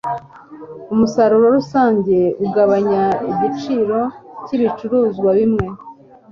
Umusaruro rusange ugabanya igiciro cyibicuruzwa bimwe